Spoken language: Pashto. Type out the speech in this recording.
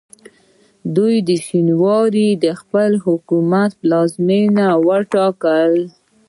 دوی شینوار د خپل حکومت پلازمینه وټاکه.